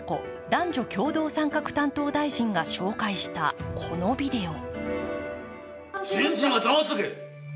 男女共同参画担当大臣が紹介したこのビデオ。